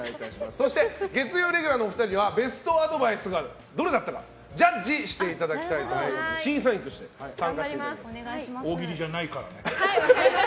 そして、月曜レギュラーのお二人にはベストアドバイスがどれだったかジャッジしていただくべく審査員として大喜利じゃないからね。